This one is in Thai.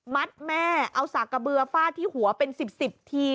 มัดแม่เอาสากกระเบือฝ้าที่หัวเป็น๑๐สิบที